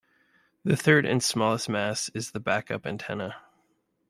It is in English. The third and smallest mast is the backup antenna.